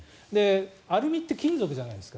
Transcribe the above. アルミって金属じゃないですか。